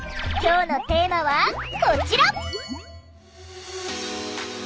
今日のテーマはこちら！